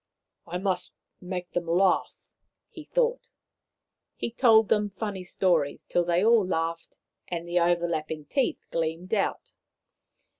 " I must make them laugh," he thought. He told them funny stories, till they all laughed and the overlapping teeth gleamed out.